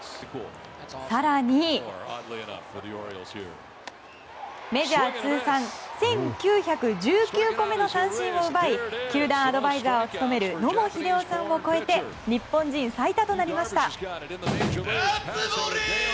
更に、メジャー通算１９１９個目の三振を奪い球団アドバイザーを務める野茂英雄さんを超えて日本人最多となりました。